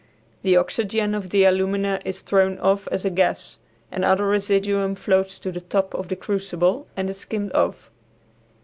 The oxygen of the alumina is thrown off as a gas, and other residuum floats to the top of the crucible and is skimmed off.